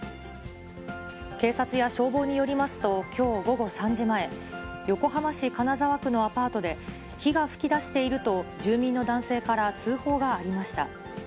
警察や消防によりますと、きょう午後３時前、横浜市金沢区のアパートで、火が噴き出していると、住民の男性から通報がありました。